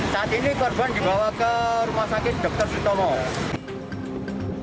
saat ini korban dibawa ke rumah sakit dr sutomo